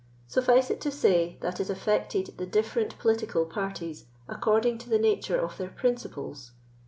Suffice it to say, that it affected the different political parties according to the nature of their principles.